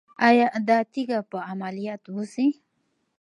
ایا دا تیږه په عملیات وځي؟